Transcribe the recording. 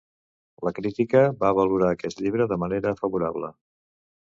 La crítica va valorar aquest llibre de manera favorable.